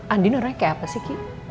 andin orangnya kayak apa sih ki